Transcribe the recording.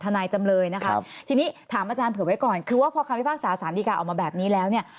นายจำเลยนะครับทีนี้ถามอาจารย์เผื่อไว้ก่อนคือว่าพอคำพิพากษาสารดีการ์ออกมาแบบนี้แล้วเนี่ย